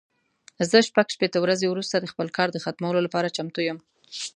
زه شپږ شپېته ورځې وروسته د خپل کار د ختمولو لپاره چمتو یم.